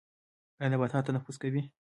ایا نباتات تنفس کوي؟